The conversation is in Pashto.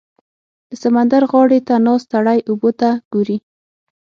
• د سمندر غاړې ته ناست سړی اوبو ته ګوري.